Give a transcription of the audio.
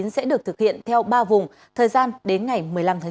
sẽ được thực hiện theo ba vùng thời gian đến ngày một mươi năm tháng chín